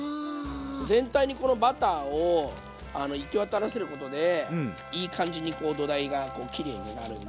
全体にこのバターを行き渡らせることでいい感じに土台がきれいになるんで。